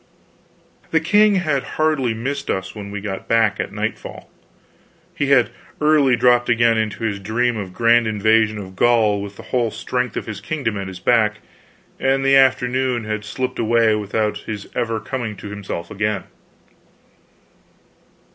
The king had hardly missed us when we got back at nightfall. He had early dropped again into his dream of a grand invasion of Gaul with the whole strength of his kingdom at his back, and the afternoon had slipped away without his ever coming to himself again.